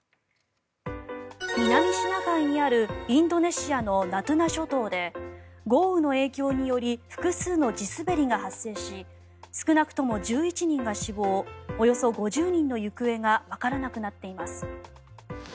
南シナ海にあるインドネシアのナトゥナ諸島で豪雨の影響により複数の地滑りが発生し少なくとも１１人が死亡およそ５０人の行方がわからなくなっています。